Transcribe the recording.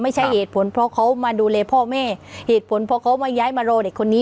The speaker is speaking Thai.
เหตุผลเพราะเขามาดูแลพ่อแม่เหตุผลเพราะเขามาย้ายมารอเด็กคนนี้